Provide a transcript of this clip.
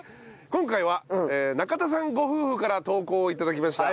今回は中田さんご夫婦から投稿を頂きました。